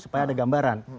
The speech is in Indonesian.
supaya ada gambaran